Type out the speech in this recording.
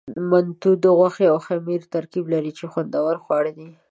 منتو د غوښې او خمیر ترکیب لري، چې خوندور خواړه دي.